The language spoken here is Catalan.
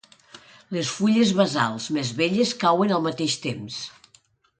Les fulles basals més velles cauen al mateix temps.